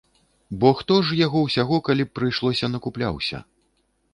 Бо хто ж яго ўсяго, калі б прыйшлося, накупляўся.